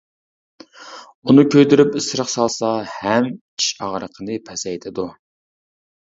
ئۇنى كۆيدۈرۈپ ئىسرىق سالسا ھەم چىش ئاغرىقىنى پەسەيتىدۇ.